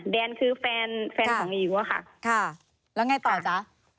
แดนคือแฟนของอิ๋วค่ะแล้วไงต่อจ๊ะ